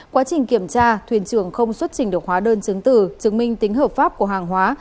quá trình kiểm tra thuyền trưởng không xuất trình được hóa đơn chứng tử chứng minh tính hợp pháp của hàng hóa